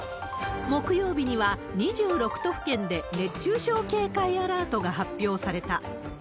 木曜日には２６都府県で熱中症警戒アラートが発表された。